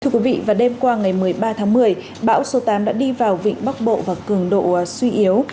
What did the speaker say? thưa quý vị vào đêm qua ngày một mươi ba tháng một mươi bão số tám đã đi vào vịnh bắc bộ và cường độ suy yếu